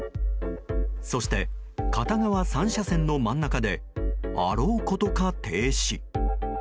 そして、片側３車線の真ん中であろうことか停止。